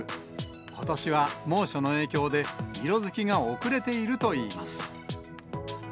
ことしは猛暑の影響で、色づきが遅れているといいます。